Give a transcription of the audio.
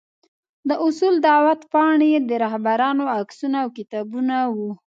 د اصول دعوت پاڼې، د رهبرانو عکسونه او کتابونه وو.